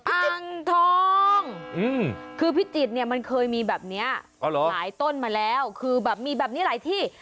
อ่างทองคือพิจิตรเนี่ยมันเคยมีแบบนี้หลายต้นมาแล้วคือแบบมีแบบนี้หลายที่